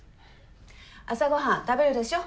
朝ごはん食べるでしょう？